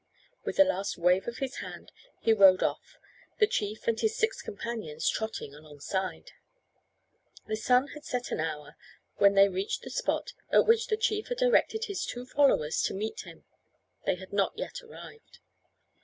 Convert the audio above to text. With a last wave of his hand he rode off, the chief and his six companions trotting alongside. The sun had set an hour when they reached the spot at which the chief had directed his two followers to meet him. They had not yet arrived.